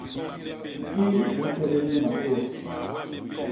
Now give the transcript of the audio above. Kii u mpégél nye matôa.